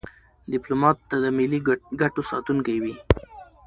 ډيپلومات د ملي ګټو ساتونکی وي.